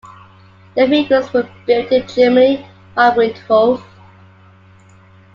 The vehicles were built in Germany by Windhoff.